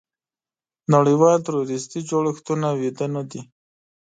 نړیوال تروریستي جوړښتونه ویده نه دي.